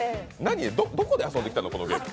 どこで遊んできたのこのゲーム。